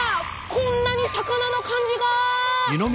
こんなに魚の漢字が！